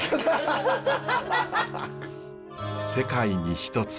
世界に一つ。